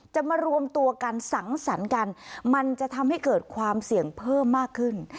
มารวมตัวกันสังสรรค์กันมันจะทำให้เกิดความเสี่ยงเพิ่มมากขึ้น